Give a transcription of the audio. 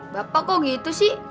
bapak kok gitu sih